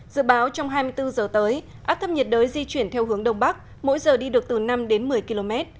dự báo trong hai mươi bốn giờ tới áp thấp nhiệt đới di chuyển theo hướng đông bắc mỗi giờ đi được từ năm đến một mươi km